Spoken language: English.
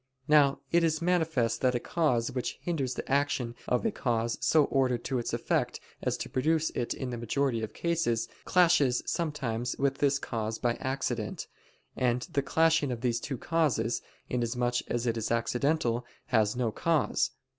Now it is manifest that a cause which hinders the action of a cause so ordered to its effect as to produce it in the majority of cases, clashes sometimes with this cause by accident: and the clashing of these two causes, inasmuch as it is accidental, has no cause.